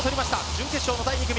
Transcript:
準決勝の第２組。